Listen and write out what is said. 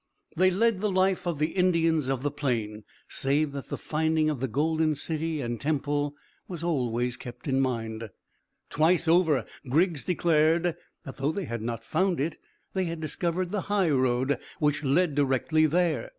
They led the life of the Indians of the plain, save that the finding of the golden city and temple was always kept in mind. Twice over Griggs declared that though they had not found it they had discovered the high road which led directly there.